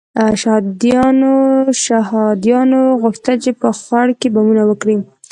شهادیانو غوښتل چې په خوړ کې بمونه وکري.